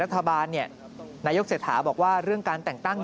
รัฐบารเนี้ยนายกเศษถาบอกว่าเรื่องการแต่ตั้งตั้งยังไม่